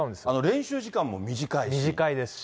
練習時間も短いですし。